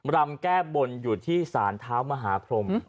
รำแก้บนอยู่ที่สารเท้ามหาพรม